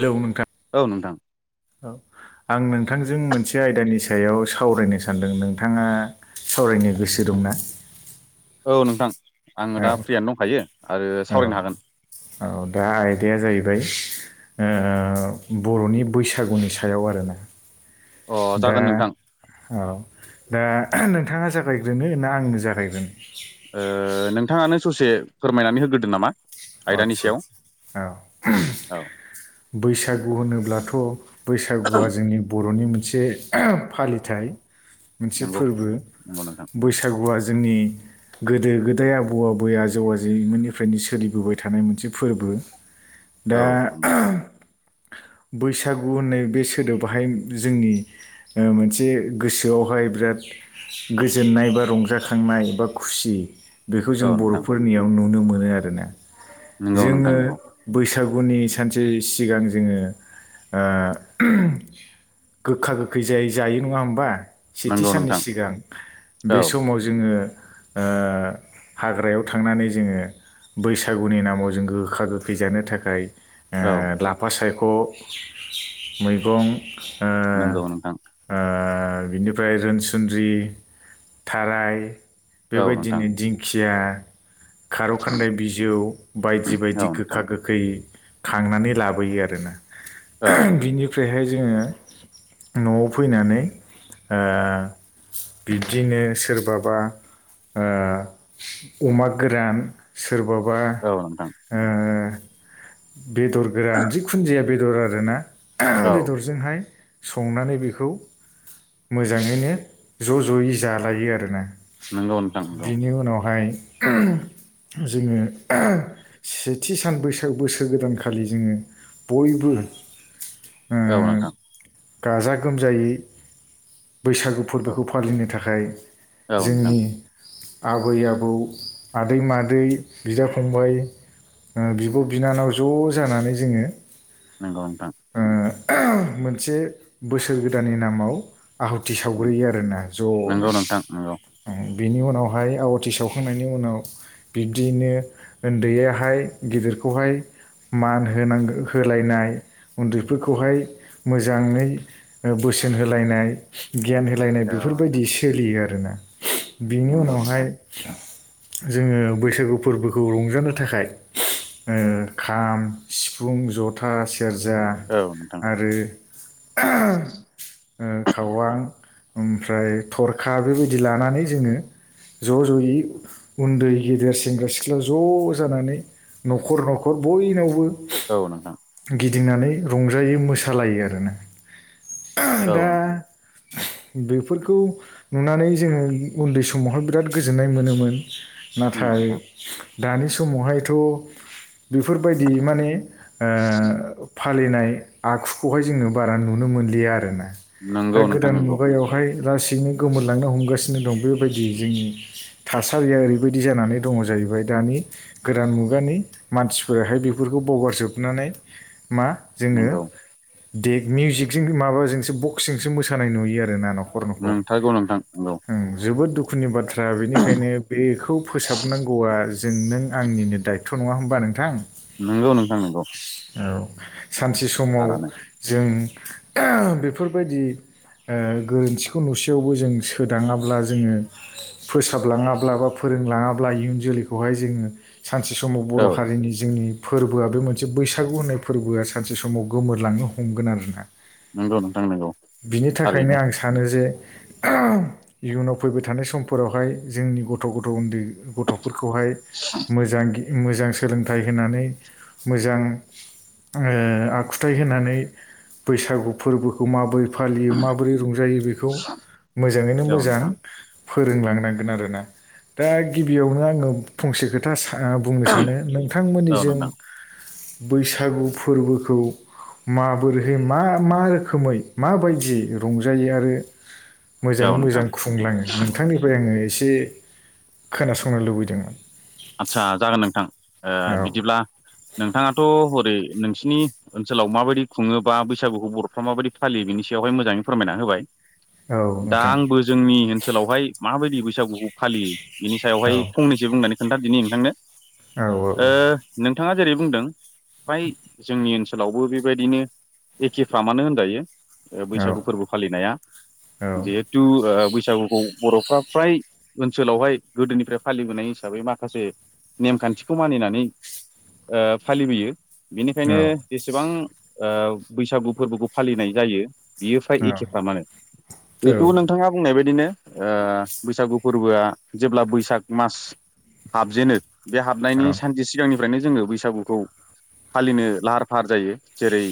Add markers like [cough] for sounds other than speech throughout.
Hello नोंथां। औ नोंथां। औ आं नोंथांजों मोनसे आयदानि सायाव सावरायनो सानदों नोंथाङा सावरायनो गोसो दंना? औ नोंथां आंङो दा फ्रियानो दंखायो। आरो औ सावरायनो हागोन औ दा आयदाया जाहैबाय ओ बर'नि बैसागुनि सायाव आरोना अ दा जागोन नोंथां औ दा नोंथाङा जागायग्रोनो ना आंनो जागायग्रोनो नोंथाङानो ससे फोरमायनानै होग्रोदो नामा? आयदानि आतसा सायाव आ औ औ बैसागु होनोब्लाथ' बैसागुआ जोंनि बर'नि मोनसे फालिथाय। मोनसे नंगौ फोरबो नंगौ नोंथां बैसाग‌ बैसागुआ जोंनि गोदो गोदाय आबौ आबै आजौ आजौमोननिफ्रायनो सोलिबोबाय थानाय मोनसे फोरबो दा औ नंगौ बैसागु होननाय बे सोदोबाहाय जोंनि मोनसे गोसोआवहाय बिराद गोजोननाय बा रंजाखांनाय बा खुसि बेखौ जों औ नोंथां बर'फोरनियाव नुनो मोनो आरोना नंगौ नोंथां जोङो नंगौ बैसागुनि सानसे सिगां जोङो गोखा गोखै जाय जायो नंङा हबा सेथि नंगौ साननि नोंथां सिगां बे औ समाव जों जोङो ओ हाग्रायाव थांनानै जोङो बैसागुनि नामाव जों गोखा गोखै जानो थाखाय ओ औ लाफा सायख' मैगं। नोंगौ नोंथां। ओ बिनिफ्राय रोनसुन्द्रि, थाराय औ नोंथां बेबायदिनो दिंखिया खारौ खान्दाय बिजौ बायदि औ बायदि नोंथां गोखा गोखै खांनानै लाबोयो आरोना। औ बिनिफ्रायहाय जोङो न'आव फैनानै ओ बिब्दिनो सोरबाबा ओ अमा गोरान सोरबाबा औ नोंथां ओ बेदर गोरान जिखुुनु जाया बेदर आरोना औ बेदरजोंहाय संनानै बेखौ मोजाङैनो ज' ज'यै जालायो आरोना। नंगौ नोंथां नंगौ बिनि उनावहाय जोङो सेथि सान बैसाग बोसोर गोदानखालि जोङो बयबो ओ औ नोंथां। गाजा गोमजायै बैसागु औ फोरबोखौ फालिनो थाखाय औ नोंथां जोंनि आबै आबौ आदै माद दै बिदा फंबाय बिब' बिनानाव ज' जानानै जोङो नोंगौ नोंथां। ओ मोनसे बोसोर गोदाननि नामाव आहुथि सावग्रोयो आरोना ज'नो। नंगौ नोंथां नंगौ उ बिनि उनावहाय आवाथि सावखांनायनि उनाव बिब्दियैनो उन्दैयाहाय गेदेरखौहाय मान होनांगौ होलायनाय उन्दैफोरखौहाय मोजाङै बोसोन होलायनाय गियान हो लायनाय औ नोंथां बेफोरबायदि सोलियो आरोना बिनि नंगौ उनावहाय नोंथां जोङो बैसागु फोरबोखौ रंजानो थाखाय ओ खाम सिफुं जथा सेरजा औ नोंथां आरो ओ खावां ओमफ्राय थरखा बेबायदि लानानै जोङो‌ ज' ज'यै उन्दै गेदेर सेंग्रा सिख्ला ज' जानानै न'खर न'खर बयनावबो औ नोंथां। गिदिंनानै रंजायो मोसालायो आरोना औ दा बेफोरखौ नुनानै जोङो उन्दै समावहाय बिराद गोजोननाय मोनोमोन। नाथाय नोंथां दानि समावहायथ' बेफोरबायदि माने ओ फालिनाय आखुखौहाय जोङो बारा नुनो मोनलिया आरोना। दा नंगौ नोंथां गोदान नंगौ मुगायाव हाय लासैनो गोमोरलांनो हमगासिनो दं बेबायदि जोंनि थासारिया ओरै बायदि जानानै दङ' जाहैबाय दानि गोदान मुगानि मानसिफोराहाय बेफोरखौ बावगारजोबनानै मा जोङो नंगौ देकनि जिकजों माबाजोंसो बक्सजोंसो मोसानाय नुयो आरो न नोंथारगौ नोंथां नंगौ उ जोबोद दुखुनि बाथ्रा बेनिखायनो बे फोसाबनांगौआ जों नों आंनिनो दायथ' नङा होमबा नोंथां? नोंगौ नोंथां नोंगौ। औ सानसे समाव जों बेफोरबायदि गोरोन्थिखौ नुसेयावबो जों सोदङाब्ला जोङो फोसाबलाङाब्ला बा फोरोंलाङाब्ला इयुन जोलैखौहाय जोङो सानसे समाव बर' औ हारिनि जोंनि फोरबोआ बे मोनसे बैसागु होननाय फोरबोआ सानसे समाव गोमोरलांनो हमगोन आरोना नंगौ नोंथां नंगौ बिनि थाखायनो थारैनो आं थानो जे इयुनाव फैबाय थानाय समफोरावहाय जोंनि गथ' गथ' गथ' उन्दै गथ'फोरखौहाय मोजां मोजां सोलोंथाइ होनानै मोजां ओ आखुथाइ होनानै बैसागु फोरबोखौ माबोरै फालियो माबोरै रंजायो बेखौ मोजाङैनो औ मोजां नोंथां फोरोंलांनांगोन आरोना दा गिबियावनो आङो फंसे खोथा सा ओ बुंनो सानो नोंथांमोननि औ जों नोंथां बैसागु फोरबोखौ माबोरैहै मा मा रोखोमै माबायदि रंजायो आरो मोजाङै औ नोंथां मोजां खुंलाङो नोंथांनिफ्राय आङो एसे खोनासंनो लुबैदोंमोन आच्चा जागोन नोंथां ओ औ बिदिब्ला नोंथाङाथ' हरै नोंसिनि ओनसोलाव माबायदि खुङोबा बैसागुखौ बर'फ्रा माबायदि फालियो बिनि सायावहाय मोजाङै फोरमायना होबाय औ दा नोंथां आंबो जोंनि ओनसोलावहाय माबायदि बैसागुखौ फालियो बिनि औ सायावहाय फंनैसो बुंनानै खोन्था दिनि नोंथांनो औ ओ नोंथाङा जेरै बुंदों फ्राय जोंनि ओनसोलावबो बेबायदिनो एखेफामानो होनजायो औ बैसागु फोरबो फालिनाया औ जिहेथु ओ बैसागुखौ बर'फ्रा फ्राय ओनसोलावहाय गोदोनिफ्राय फालिबोनाय हिसाबै मा माखासे नेमखान्थिखौ मानिनानै ओ फालिबोयो बेनिखायनो जेसेबां ओ बैसागु फोरबोखौ फालिनाय जायो बियो फ्राय औ नोंथां एखेफामानो मानो औ जिहेथु नोंथाङा बुंनाय बायदिनो ओ बैसागु फोरबोआ जेब्ला बैसाग मास हाबजेनो बे हाबनायनि औ सानसे सिगांनिफ्रायनो जोङो बैसागुखौ फालिनो लाहार फाहार जायो जेरै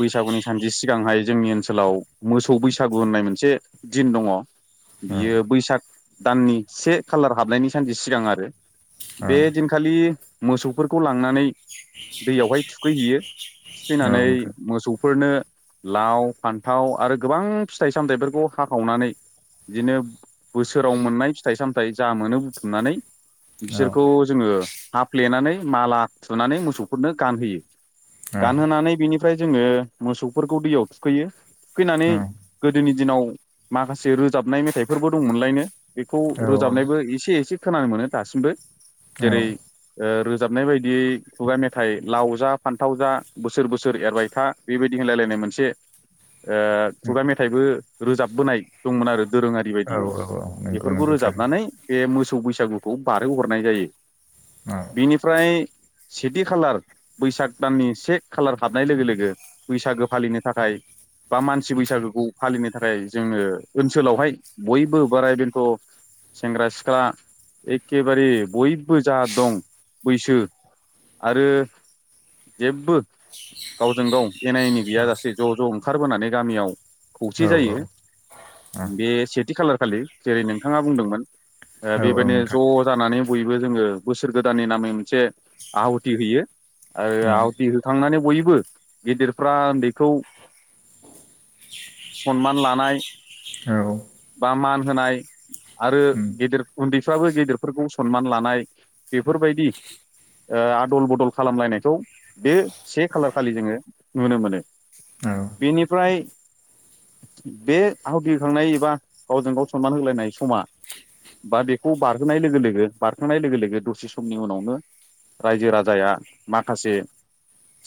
बैसागुनि सानदि सिगांहाय जोंनि ओनसोलाव मोसौ बैसागु होननाय मोनसे दिन दङ' औ बियो बैसाग दाननि से खालार हाबनायनि सानसे सिगां आरो बे दिन खालि मोसौफोरखौ लांनानै दैयावहाय थुखैहैयो थुखैनानै मोसौफोरनो लाव फान्थाव आरो गोबां फिथाइ सामथाइफोरखौ हाखावनानै बिदिनो बोसोराव मोननाय फिथाइ सामथाइ जा मोनो बुथुमनानै बिसोरखौ जोङो हाफ्लेनानै माला थुनानै मोसौफोरनो गानहोयो गानहोनानै बेनिफ्राय जोङो मोसौफोरखौ दैयाव थुखैयो थुखैनानै गोदोनि दिनाव माखासे रोजाबनाय मेथाइफोरबो दंमोनलायनो बेखौ रोजाबनायबो एसे एसे खोनानो मोनो दासिमबो जेरै ओ रोजाबनाय बायदियै खुगा मेथाइ लाव जा फान्थाव जा बोसोर बोसोर एरबाय था बेबायदि होनलायलायनाय मोनसे ओ खुगा मेथाइबो रोजाबबोनाय दंमोन आरो दोरोङारि बायदियै नंगौ बेफोरखौ नंगौ थारैनो रोजाबनानै बे मोसौ बैसागुखौ बारहो हरनाय जायो। ओ। बिनिफ्राय सेथि खालार बैसाग दाननि से खालार हाबनाय लोगो लोगो बैसागो फालिनो थाखाय बा मानसि बैसागोखौ फालिनो थाखाय जोङो ओनसोलाव हाय बयबो बोराय बेन्थ' सेंग्रा सिख्ला एखेबारे बयबो जा दं बैसो आरो जेबबो गावजों गाव एना एनि औ गैयाजासे ज' ज' ओंखारबोनानै गामियाव खौसे औ औ जायो बे सेथि खालार खालि जेरै नोंथाङा बुंदोंमोन ओ औ बे नोंथां ज' जानानै बयबो जोङो बोसोर गोदाननि नामै मोनसे आहुथि होयो ओ आवदि होखांनानै बयबो गेदिरफ्रा ओन्दैखौ सनमान लानाय औ बा मान होनाय आरो उम गेदेर उन्दैफ्राबो गेदेर फोरखौ सनमान लानाय बेफोर बायदि ओ आदल बदल खालाम लायनायखौ बे से खालार खालि जोङो नुनो मोनो। औ। बिनिफ्राय बे आहुति होखांनाय एबा गावजों गाव सनमान होलायनाय समा बा बेखौ बारहोनाय लोगो लोगो बारखांनाय लोगो लोगो दसे समनि उनावनो रायजो राजाया माखासे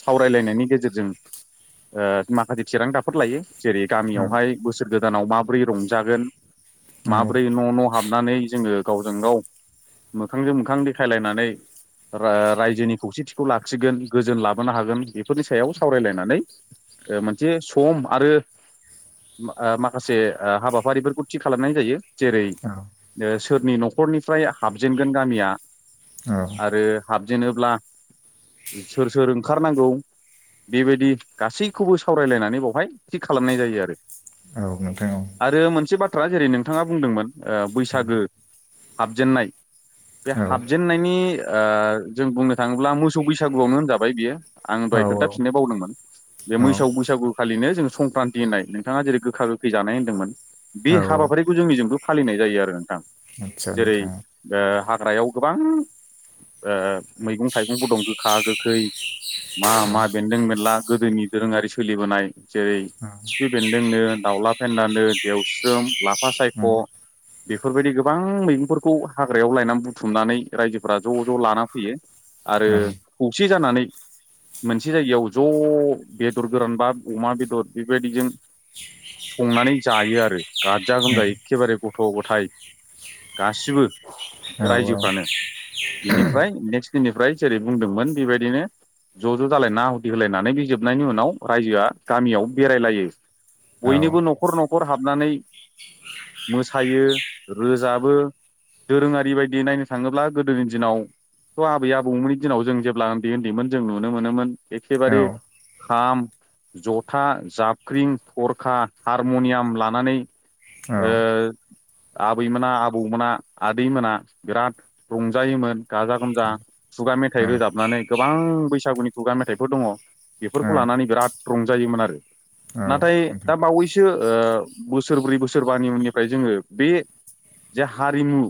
सावराय लायनायनि गेजेरजों ओ माखासे थिरांथा फोर लायो जेरै औ गामियाव हाय बोसोर गोदानाव माबोरै रंजागोन। औ माबोरै न' न' हाबनानै जोङो गावजों गाव मोखांजों मोखां देखायलायनानै रा रायजोनि खौसेथिखौ लाखिगोन गोजोन लाबोनो हागोन बेफोरनि सायाव सावराय लायनानै ओ मोनसे सम आरो ओ माखासे हाबा फारिफोरखौ थि खालामनाय जायो जेरै औ ओ सोरनि न'खरनिफ्राय हाबजेनगोन गामिया। औ आरो हाबजेनोब्ला सोर सोर ओंखारनांगौ बिबायदि गासै खौबो सावरायलायनानै बेवहाय थिग खालामनाय जायो आरो। औ नोंथां औ। आरो मोनसे बाथ्रा जेरै नोंथाङा बुंदोंमोन ओ बैसागो हाबजेननाय बे औ हाबजेननायनि ओ जों बुंनो थाङोब्ला मोसौ बैसागु आवनो होनजाबाय बियो। आं औ दहाय खोन्था फिननो बावदोंमोन। बे औ मैसौ बैसागु खालिनो जोङो संक्रान्ति होननाय नोंथाङा जेरै गोखा गोखै जानाय होनदोंमोन। बे औ हाबा औ फारिखौ जोंनिजोंबो फालिनाय जायो आरो नोंथां आदसा जेरै नोंथां ओ हाग्रायाव गोबां ओ मैगं थाइगंबो दं गोखा गोखै। मा औ मा बेन्दों बेनला गोदोनि दोरोङारि सोलिबोनाय जेरै औ खिफि बेन्दोंनो दाउला फेन्दानो देवस्रोम लाफा सायख' बेफोरबायदि गोबां मैगंफोरखौ हाग्रायाव लायनानै बुथुमनानै रायजोफोरा ज' ज' लाना फैयो। आरो खौसे जानानै। मोनसे जायगायाव ज' बेदर गोरान बा अमा बेदर बेबायदिजों संनानै जायो आरो गाजा गोमजा एखे बारे गथ' गथ थाय गासिबो रायजोफ्रानो। बिनिफ्राय नेक्स दिननिफ्राय जेरै बुंदोंमोन बेबायदिनो ज' ज' जालायना आहुति होलायनानै बे जोबनायनि उनाव रायजोआ गामियाव बेरायलायो। औ बयनोबो औ न'खर न'खर हाबनानै मोसायो रोजाबो दोरोङारि बायदि नायनो थाङोब्ला गोदोनि दिनाव थ' आबै आबौ मोननि दिनाव जों जेब्ला ओन्दै ओन्दैमोन जों नुनो मोनोमोन एखे बारे औ नोंथां औ खाम जथा जाबख्रिं थरखा हारम'नियाम लानानै ओ औ आबै मोना आबौ मोना आदै मोना बिराद रंजायोमोन गाजा गोमजा। खुगा मेथाइ रोजाबनानै गोबां बैसागुनि खुगा मेथाइफोर दङ बेफोरखौ लानानै बिराद रंजायोमोन आरो नाथाय दा बावैसो ओ बोसोरब्रै बोसोरबानि उननिफाय जोङो बे जे हारिमु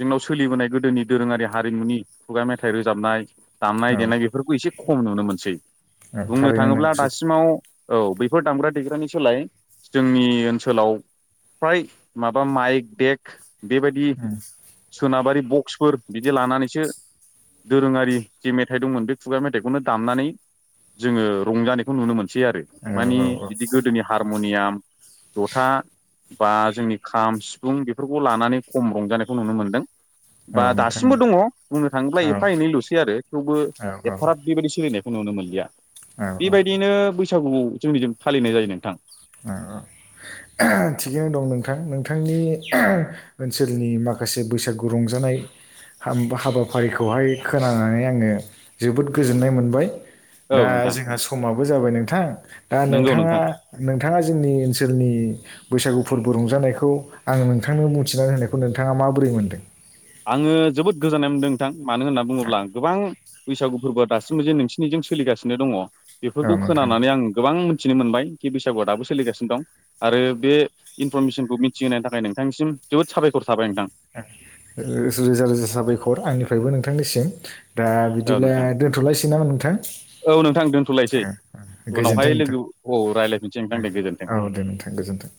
जोंनाव सोलिबोनाय गोदोनि दोरोङारि हारिमुनि खुगा मेथाइ रोजाबनाय। दामनाय देनाय बेफोरखौ एसे खम नुनो मोनसै बुंनो थारैनो थाङोब्ला नंगौ सैथो दासिमाव ओव बेफोर दामग्रा देग्रानि सोलाय जोंनि ओनसोलाव फ्राय माबा माइक देक बेबायदि उम, सोनाबारि बक्सफोर बिदि लानानैसो दोरोङारि जे मेथाइ दंमोन बे खुगा मेथाइखौनो दामनानै जोङो रंजानायखौ नुनो मोनसै आरो औ मानि औ बिदि गोदोनि हारम'नियाम जथा बा जोंनि खाम सिफुं बेफोरखौ लानानै खम रंजानायखौ नुनो मोनदों बा औ नोंथां औ दासिमबो दङ बुंनो थाङोब्ला औ एफा एनैल'सै आरो थेवबो औ एफाराब बेबायदि सोलिनायखौ नुनो मोनलिया औ औ औ बेबायदिनो बैसागु जोंनिजों फालिनाय जायो नोंथां [unintelligible] [unintelligible] थिगैनो दं नोंथां नोंथांनि [unintelligible] ओनसोलनि माखासे बैसागु रंजानाय हाम हाबाफारिखौहाय खोनानानै आङो जोबोद गोजोननाय मोनबाय औ दा नोंथां जोंहा समाबो जाबाय नोंथां दा नंगौ नोंथाङा नोंथां नोंथाङा जोंनि ओनसोलनि बैसागु फोरबो रंजानायखौ आङो नोंथांनो बुंथिनानै होनायखौ नोंथाङा माबोरै मोनदों आङो जोबोद गोजोननाय मोनदों नोंथां मानो होनना बुङोब्ला गोबां बैसागु फोरबोआ दासिमबो जे नोंसिनिजों सोलिगासिनो दङ औ बेफोरखौ नोंथां ओ खोनानानै आं गोबां मोन्थिनो मोनबाय कि बैसागोआ दाबो सोलिगासिनो दं आरो बे इनफरमेसनखौ मिथिहोनायनि थाखाय नोंथांनिसिम जोबोद साबायखर थाबाय नोंथां रोजा रोजा साबायखर आंनिफायबो नोंथांनिसिम दा औ बिदिब्ला नोंथां दोनथ'लायसै नामा नोंथां औ नोंथां दोनथ'लायसै [unintelligible] उनावहाय गोजोनथों नोंथां लोगो औ रायज्लायफिनसै नोंथां दे गोजोन्थों [unintelligible] औ दे नोंथां गोजोनथों